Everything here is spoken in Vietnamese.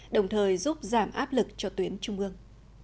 đồng thời giúp giảm áp lực cho tuyến trung ương